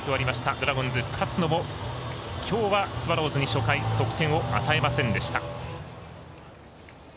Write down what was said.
ドラゴンズ、勝野もきょうはスワローズに初回得点を与えませんでした。